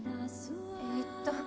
えっと。